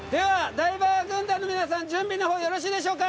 ダイバー軍団の皆さん準備のほうよろしいでしょうか？